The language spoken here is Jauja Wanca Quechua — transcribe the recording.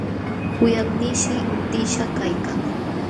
Wiqawnishi utishqa kaykan,